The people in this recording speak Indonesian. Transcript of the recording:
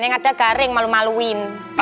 yang ada garing malu maluin